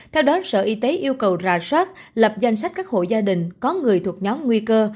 theo đó sở y tế yêu cầu rà soát lập danh sách các hộ gia đình có người thuộc nhóm nguy cơ